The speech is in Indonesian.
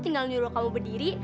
tinggal nyuruh kamu berdiri